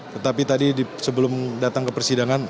tetapi tadi sebelum datang ke persidangan